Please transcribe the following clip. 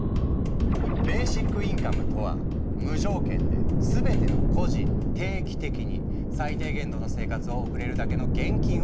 ベーシックインカムとは無条件で全ての個人に定期的に最低限度の生活を送れるだけの現金を給付する制度のこと。